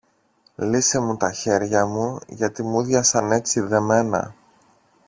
Λύσε μου τα χέρια μου, γιατί μούδιασαν έτσι δεμένα.